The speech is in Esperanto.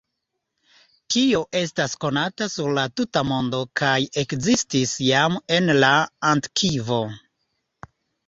Tio estas konata sur la tuta mondo kaj ekzistis jam en la antikvo.